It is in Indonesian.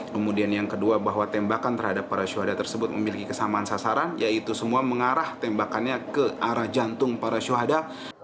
kemudian yang kedua bahwa tembakan terhadap para syuhada tersebut memiliki kesamaan sasaran yaitu semua mengarah tembakannya ke arah jantung para syuhada